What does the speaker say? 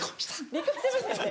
離婚しましたよね。